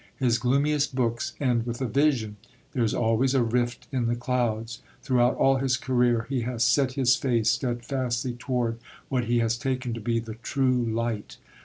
His gloomiest books end with a vision. There is always a rift in the clouds. Throughout all his career he has set his face steadfastly toward what he has taken to be the true light.